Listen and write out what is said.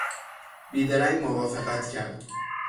بیدرنگ موافقت کرد.